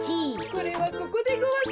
これはここでごわす。